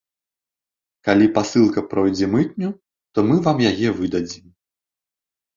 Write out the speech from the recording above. Калі пасылка пройдзе мытню, то мы вам яе выдадзім.